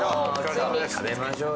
食べましょう。